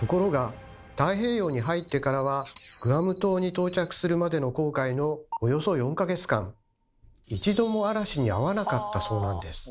ところが太平洋に入ってからはグアム島に到着するまでの航海のおよそ４か月間一度も嵐にあわなかったそうなんです。